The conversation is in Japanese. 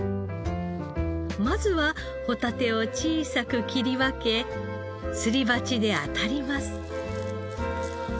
まずはホタテを小さく切り分けすり鉢で当たります。